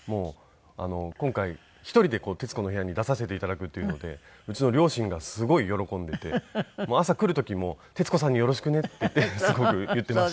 今回１人で『徹子の部屋』に出させて頂くっていうのでうちの両親がすごい喜んでいて朝来る時も「徹子さんによろしくね」っていってすごく言っていました。